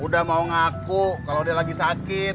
udah mau ngaku kalau dia lagi sakit